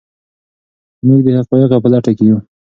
موږ د حقایقو په لټه کې یو.